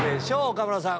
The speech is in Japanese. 岡村さん。